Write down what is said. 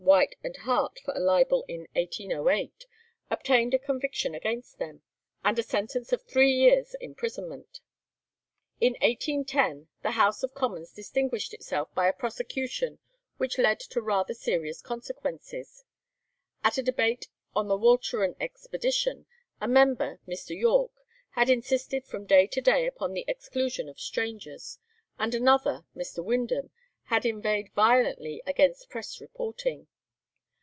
White and Hart for a libel in 1808, obtained a conviction against them, and a sentence of three years' imprisonment. In 1810 the House of Commons distinguished itself by a prosecution which led to rather serious consequences. At a debate on the Walcheren expedition, a member, Mr. Yorke, had insisted from day to day upon the exclusion of strangers, and another, Mr. Windham, had inveighed violently against press reporting.